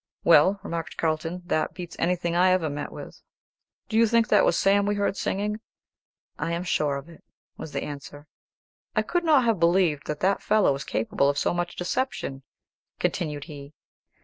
"Well," remarked Carlton, "that beats anything I ever met with. Do you think that was Sam we heard singing?" "I am sure of it," was the answer. "I could not have believed that that fellow was capable of so much deception," continued he.